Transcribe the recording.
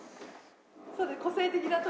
そうです